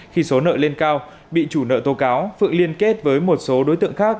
khi số nợ lên cao bị chủ nợ tố cáo phượng liên kết với một số đối tượng khác